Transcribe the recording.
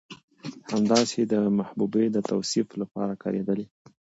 همداسې د محبوبې د توصيف لپاره کارېدلي